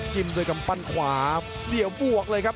ด้วยกำปั้นขวาเดี่ยวบวกเลยครับ